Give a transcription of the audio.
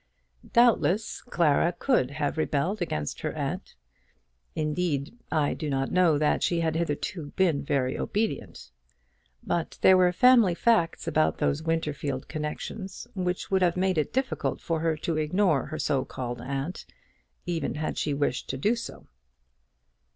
Doubtless Clara could have rebelled against her aunt. Indeed, I do not know that she had hitherto been very obedient. But there were family facts about these Winterfield connections which would have made it difficult for her to ignore her so called aunt, even had she wished to do so.